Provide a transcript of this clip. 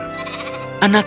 anak domba dengar